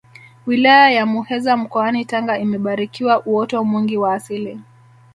wilaya ya muheza mkoani tanga imebarikiwa uoto mwingi wa asili